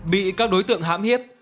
bị các đối tượng hãm hiếp